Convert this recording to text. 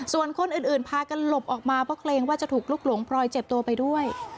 ส่วนคนอื่นพากันหลบออกมาเพราะเกรงว่าจะถูกลุกหลงพลอยเจ็บตัวไปด้วย